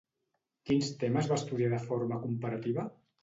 Quins temes va estudiar de forma comparativa?